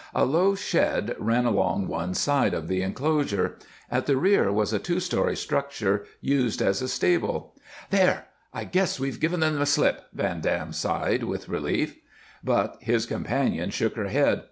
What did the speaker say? A low shed ran along one side of the inclosure; at the rear was a two story structure used as a stable. "There! I guess we've given them the slip," Van Dam sighed, with relief. But his companion shook her head.